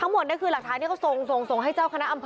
เห็นไหมล่ะ